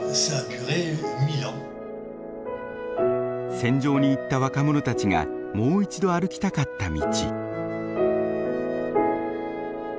戦場に行った若者たちがもう一度歩きたかった道。